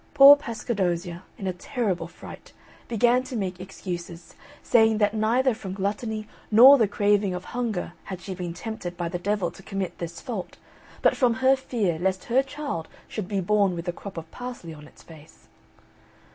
Poor Pascadozzia, in a terrible fright, began to make excuses, saying that neither from gluttony nor the craving of hunger had she been tempted by the devil to commit this fault, but from her fear lest her child should be born with a crop of parsley on its face.